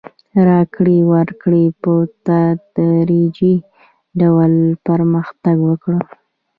راکړې ورکړې په تدریجي ډول پرمختګ وکړ.